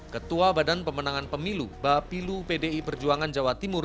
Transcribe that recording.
ketua badan pemenangan pemilu bapilu pdi perjuangan jawa timur